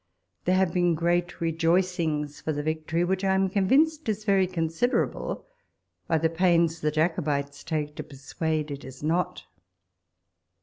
There have been great rejoicings for the victory ; which I am convinced is very con siderable by the pains the Jacobites take to persuade it is not.